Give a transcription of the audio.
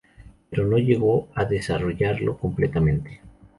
Pero no llegó a desarrollarlo completamente.